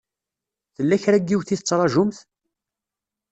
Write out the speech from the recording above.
Tella kra n yiwet i tettṛajumt?